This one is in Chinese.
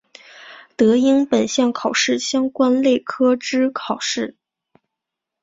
得应本项考试相关类科之考试。